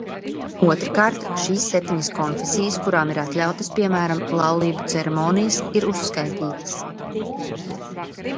Otrkārt, šīs septiņas konfesijas, kurām ir atļautas, piemēram, laulību ceremonijas, ir uzskaitītas.